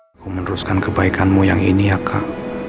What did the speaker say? aku meneruskan kebaikanmu yang ini ya kak